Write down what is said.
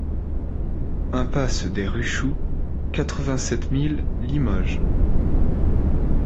Impasse des Ruchoux, quatre-vingt-sept mille Limoges